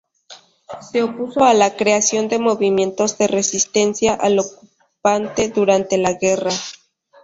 Se opuso a la creación de movimientos de resistencia al ocupante durante la guerra.